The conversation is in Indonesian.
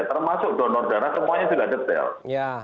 termasuk donor darah semuanya